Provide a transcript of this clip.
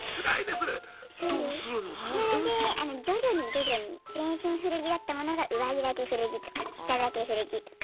それで徐々に徐々に全身古着だったものが上着だけ古着とか下だけ古着とか。